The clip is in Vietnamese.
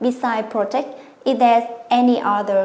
bên cạnh công nghiệp phòng chống dịch việt nam